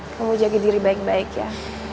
kamu jaga diri baik baik ya